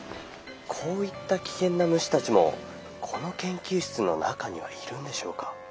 「こういった危険な虫たちもこの研究室の中にはいるんでしょうか？」。